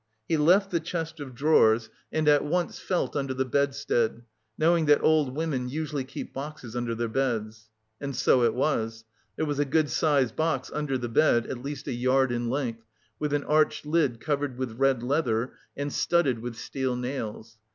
He left the chest of drawers, and at once felt under the bedstead, knowing that old women usually keep boxes under their beds. And so it was; there was a good sized box under the bed, at least a yard in length, with an arched lid covered with red leather and studded with steel nails.